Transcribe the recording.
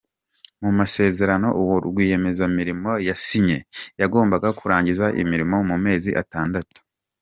Mu masezerano uwo rwiyemezamirimo yasinye, yagombaga kurangiza imirimo mu mezi atandatu.